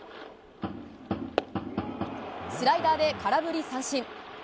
スライダーで空振り三振。